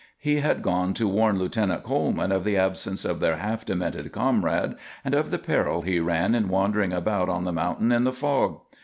He had gone to warn Lieutenant Coleman of the absence of their half demented comrade and of the peril he ran in wandering about on the mountain in the fog.